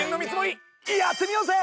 やってみようぜ！